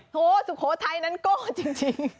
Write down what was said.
โหสุโขทัยนั้นโก้จริง